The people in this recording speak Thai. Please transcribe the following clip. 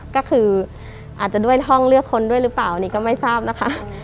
ก็คืออาจจะด้วยห้องเลือกคนด้วยหรือเปล่านี่ก็ไม่ทราบนะคะ